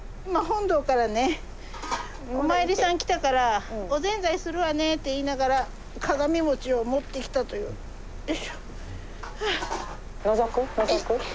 今本堂からねお参りさん来たから「おぜんざいするわね」って言いながら鏡餅を持ってきたという。よいしょ。